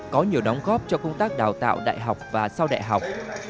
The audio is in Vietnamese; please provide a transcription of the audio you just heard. có nhiều đóng góp cho công tác đào tạo đại học và sau đại học